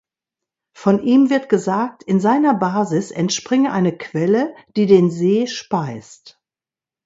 Von ihm wird gesagt, in seiner Basis entspringe eine Quelle, die den See speist.